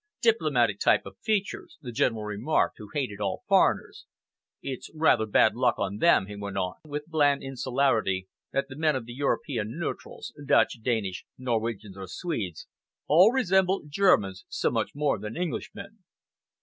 "Diplomatic type of features," the General remarked, who hated all foreigners. "It's rather bad luck on them," he went on, with bland insularity, "that the men of the European neutrals Dutch, Danish, Norwegians or Swedes all resemble Germans so much more than Englishmen."